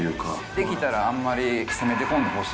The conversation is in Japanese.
できたらあんまり攻めてこんでほしい。